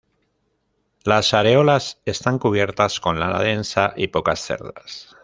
Las areolas están cubiertas con lana densa y pocas cerdas.